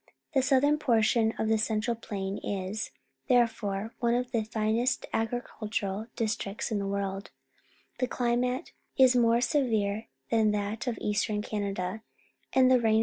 The southern portion of the central plain is, there fore, one of the finest agricultural districts in the world. The climate is more severe than that of eastern Canada, and the rainfall con Production in Millions of Bushels 1.